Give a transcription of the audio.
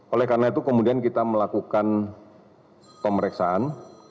oleh karena itu kemudian kita melakukan pemeriksaan